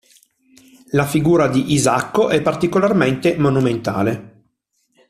La figura di Isacco è particolarmente monumentale.